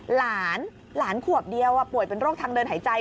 หลานหลานขวบเดียวป่วยเป็นโรคทางเดินหายใจ